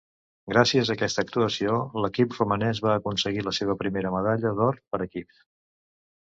Gràcies a aquesta actuació, l'equip romanès va aconseguir la seva primera medalla d'or per equips.